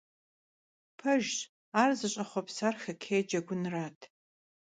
Pejjş, ar zış'exhuepsar xokkêy cegunrat.